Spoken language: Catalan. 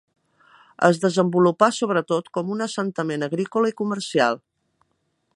Es desenvolupà sobretot com un assentament agrícola i comercial.